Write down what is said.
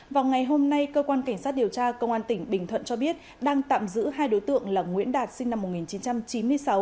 vào ngày hôm nay cơ quan cảnh sát điều tra công an tỉnh bình thuận cho biết đang tạm giữ hai đối tượng là nguyễn đạt sinh năm một nghìn chín trăm chín mươi sáu